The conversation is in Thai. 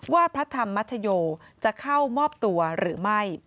พระธรรมชโยจะเข้ามอบตัวหรือไม่